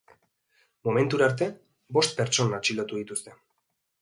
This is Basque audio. Momentura arte, bost pertsona atxilotu dituzte.